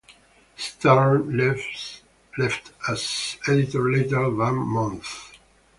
Stern left as editor later that month.